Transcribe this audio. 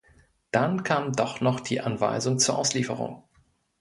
Dann kam doch noch die Anweisung zur Auslieferung.